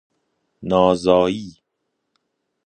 نازایی